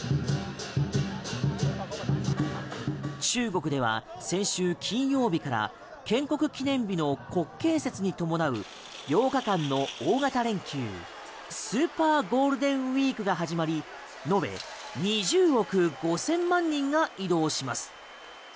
中国では先週金曜日から建国記念日の国慶節に伴う８日間の大型連休スーパーゴールデンウィークが始まり延べ２０億５０００万人が移動します。